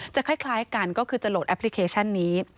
คล้ายกันก็คือจะโหลดแอปพลิเคชันนี้